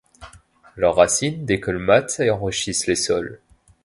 Leurs racines décolmatent et enrichissent les sols.